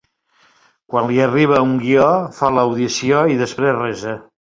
Quan li arriba un guió, fa l'audició i després resa.